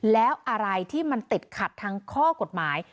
แล้วอะไรที่มันติดขัดทั้งข้อกฎหมาย